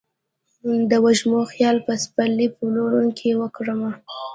د وږمو خیال به د سپرلي پلونو کې وکرمه